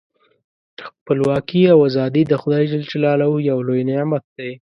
خپلواکي او ازادي د خدای ج یو لوی نعمت دی.